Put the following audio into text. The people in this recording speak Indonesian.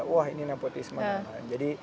wah ini nepotisme jadi